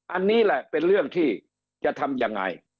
อันนี้แหละเป็นเรื่องที่จะทำยังไง